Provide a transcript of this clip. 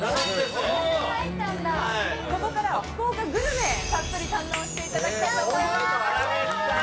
ここからは福岡グルメたっぷり堪能していただきたいと思います。